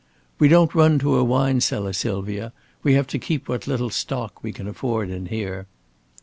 "We don't run to a wine cellar, Sylvia. We have to keep what little stock we can afford in here."